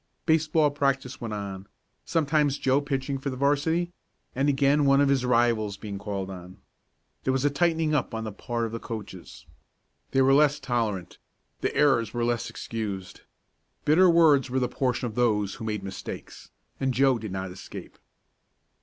Baseball practice went on, sometimes Joe pitching for the 'varsity, and again one of his rivals being called on. There was a tightening up on the part of the coaches they were less tolerant the errors were less excused. Bitter words were the portion of those who made mistakes, and Joe did not escape.